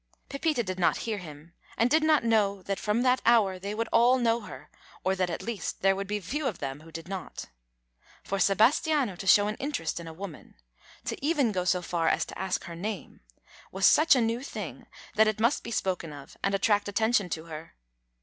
Pepita did not hear him, and did not know that from that hour they would all know her, or that at least there would be few of them who did not. For Sebastiano to show an interest in a woman, to even go so far as to ask her name, was such a new thing that it must be spoken of and attract attention to her.